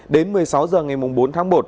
đến một mươi sáu h ngày bốn tháng một